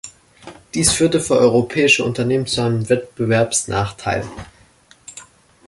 Dies führte für europäische Unternehmen zu einem Wettbewerbsnachteil.